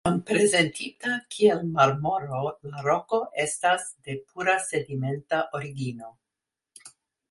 Kvankam prezentita kiel marmoro, la roko estas de pura sedimenta origino.